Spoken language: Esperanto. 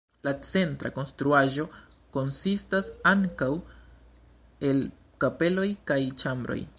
La centra konstruaĵo konsistas ankaŭ el kapeloj kaj ĉambroj.